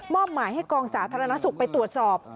หมายให้กองสาธารณสุขไปตรวจสอบ